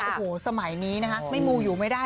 โอ้โหสมัยนี้นะคะไม่มูอยู่ไม่ได้